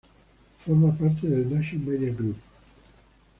Forma parte del Nation Media Group.